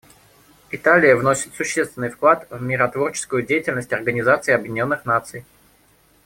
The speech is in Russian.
Италия вносит существенный вклад в миротворческую деятельность Организации Объединенных Наций.